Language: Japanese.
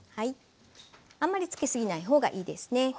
あんまりつけすぎないほうがいいですね。